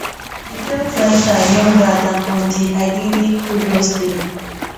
He felt lighter, younger, than on the idyllic previous day.